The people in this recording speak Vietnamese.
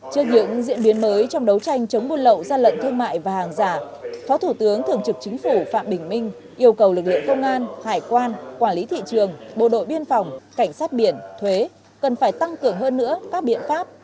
trước những diễn biến mới trong đấu tranh chống buôn lậu gian lận thương mại và hàng giả phó thủ tướng thường trực chính phủ phạm bình minh yêu cầu lực lượng công an hải quan quản lý thị trường bộ đội biên phòng cảnh sát biển thuế cần phải tăng cường hơn nữa các biện pháp